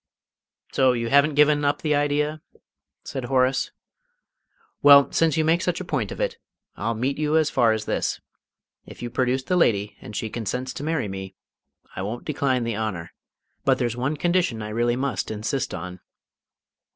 "So you haven't given up the idea?" said Horace. "Well, since you make such a point of it, I'll meet you as far as this. If you produce the lady, and she consents to marry me, I won't decline the honour. But there's one condition I really must insist on."